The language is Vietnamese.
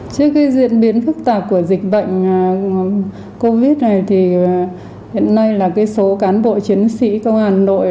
trước cái diễn biến phức tạp của dịch bệnh covid này thì hiện nay là cái số cán bộ chiến sĩ công an hà nội